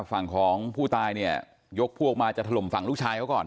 ฝั่งของผู้ตายเนี่ยยกพวกมาจะถล่มฝั่งลูกชายเขาก่อน